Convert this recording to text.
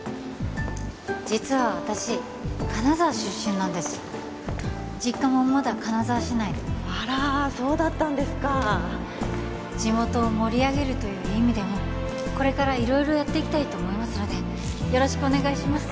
実は私金沢出身なんです実家もまだ金沢市内であらそうだったんですか地元を盛り上げるという意味でもこれから色々やっていきたいと思いますのでよろしくお願いします